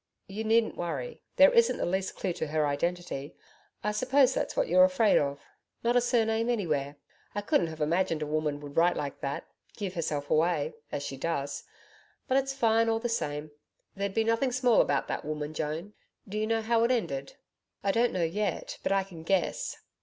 'You needn't worry. There isn't the least clue to her identity I suppose that's what you're afraid of. Not a surname anywhere I couldn't have imagined a woman would write like that give herself away as she does. But it's fine all the same. There'd be nothing small about that woman, Joan. Do you know how it ended?' 'I don't know yet. But I can guess.'